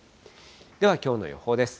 では、きょうの予報です。